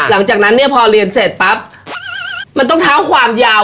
หลังจากนั้นเนี่ยพอเรียนเสร็จปั๊บมันต้องเท้าความยาว